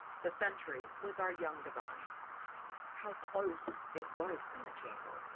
The sentry was our young Divine. How close it was in the chamber!